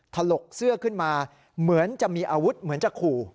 ถลกเสื้อขึ้นมาเหมือนจะมีอาวุธเหมือนจะขู่